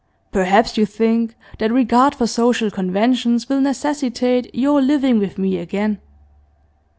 Perhaps you think that regard for social conventions will necessitate your living with me again.